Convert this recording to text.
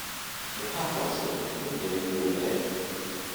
The pathos of the thing gave me the pip.